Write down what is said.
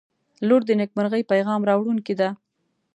• لور د نیکمرغۍ پیغام راوړونکې ده.